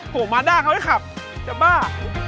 โหมาร์ด่าเขาได้ขับจับบ้า